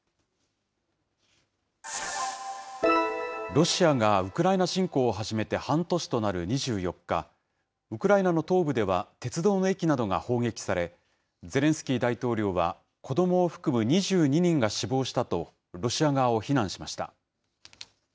ロシアがウクライナ侵攻を始めて半年となる２４日、ウクライナの東部では鉄道の駅などが砲撃され、ゼレンスキー大統領は子どもを含む２２人が死亡したと、ロシア側を非難しました。